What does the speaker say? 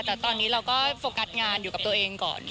แต่ตอนนี้เราก็โฟกัสงานอยู่กับตัวเองก่อน